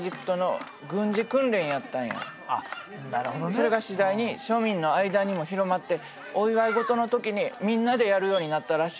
それが次第に庶民の間にも広まってお祝い事の時にみんなでやるようになったらしいで。